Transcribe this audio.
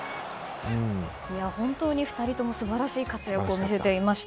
本当に２人とも素晴らしい活躍を見せていました。